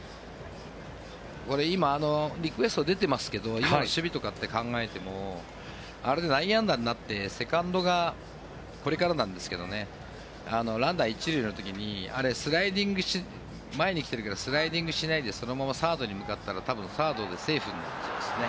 今リクエスト出てますけど今の守備とかを考えてもあれで内野安打になってセカンドがランナー１塁の時に前に来てるけどスライディングしないでそのままサードに向かったら多分、サードでセーフになると思いますね。